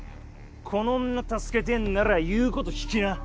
この女助けてえんなら言うこと聞きな！